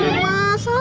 saya aja yang sendokin